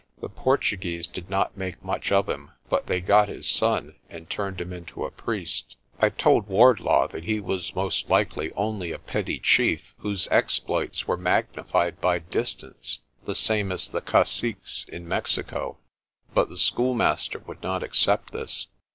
The Portuguese did not make much of him, but they got his son and turned him into a priest. I told Wardlaw that he was most likely only a petty chief, whose exploits were magnified by distance, the same as the caciques in Mexico. But the schoolmaster would not accept this.